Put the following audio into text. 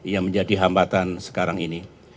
yang menjadi hambatan sekarang ini